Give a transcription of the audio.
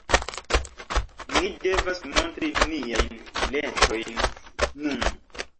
Ni devas montri niajn biletojn nun.